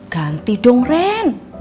ganti dong ren